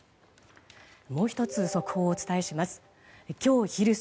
もう１つ、速報をお伝えします。